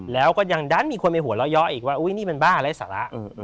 แล้วก็ยังด้านมีคนไปหัวเล่าย้ออีกว่าอุ้ยนี่มันบ้าอะไรสักแล้ว